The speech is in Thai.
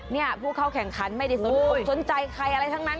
เนี่ยผู้เข้าแข่งขันไม่ได้สนอกสนใจใครอะไรทั้งนั้น